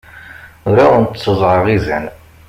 Ur awen-tteẓẓɛeɣ izan.